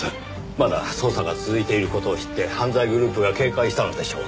まだ捜査が続いている事を知って犯罪グループが警戒したのでしょう。